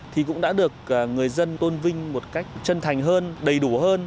thì cũng đã được người dân tôn vinh một cách chân thành hơn đầy đủ hơn